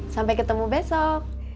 sampai ketemu besok